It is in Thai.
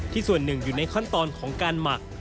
ส่วนหนึ่งอยู่ในขั้นตอนของการหมัก